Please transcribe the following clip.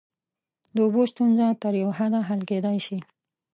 د اوبو ستونزه تر یوه حده حل کیدای شي.